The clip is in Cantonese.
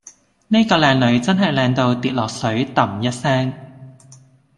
喱個靚女真係靚到跌落水揼一聲